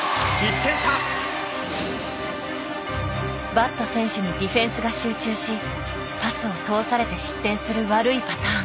バット選手にディフェンスが集中しパスを通されて失点する悪いパターン。